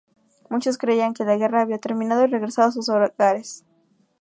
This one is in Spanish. Muchos creían que la guerra había terminado y regresado a sus hogares.